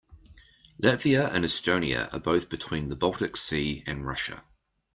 Latvia and Estonia are both between the Baltic Sea and Russia.